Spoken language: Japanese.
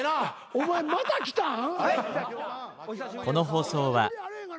お前また来たん？